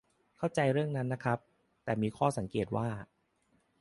เข้าใจเรื่องนั้นนะครับ แต่มีข้อสังเกตว่า